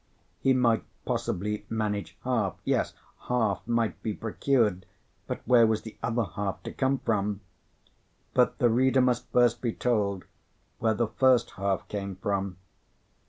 He might possibly manage half, yes, half might be procured, but where was the other half to come from? But the reader must first be told where the first half came from.